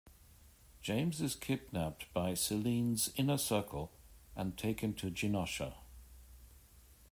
James is kidnapped by Selene's Inner Circle and taken to Genosha.